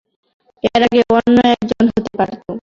এর আগেও অন্য একজন হতে পারত।